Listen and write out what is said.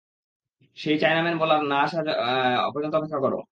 সেই chinaman bowler না আসা পর্যন্ত অপেক্ষা করো।